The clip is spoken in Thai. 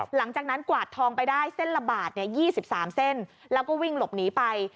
หลังจากนั้นกวาดทองไปได้เส้นละบาท๒๓เส้นแล้วก็วิ่งหลบหนีไป